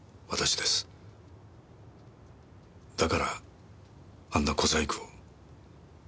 だからあんな小細工を。